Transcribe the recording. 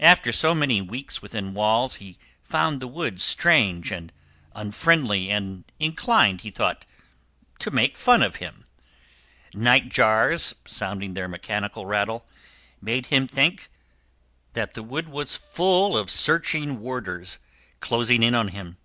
After so many weeks within walls, he found the wood strange and unfriendly and inclined, he thought, to make fun of him. Night jars, sounding their mechanical rattle, made him think that the wood was full of searching warders, closing in on him.